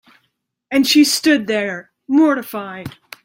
And she stood there mortified.